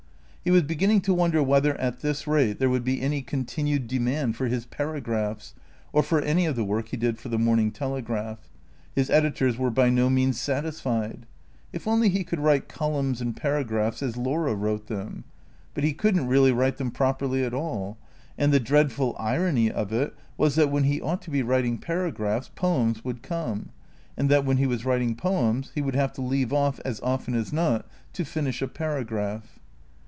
He was beginning to wonder whether, at this rate, there would be any continued demand for his paragraphs, or for any of the work he did for the " Morning Telegraph." His editors were by no means satisfied. If only he could write columns and para graphs as Laura wrote them. But he could n't really write them properly at all. And the dreadful irony of it was that when he ought to be writing paragraphs, poems would come; and that when he was writing poems he would have to leave off, as often as not, to finish a paragraph.